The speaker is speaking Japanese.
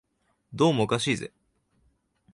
どうもおかしいぜ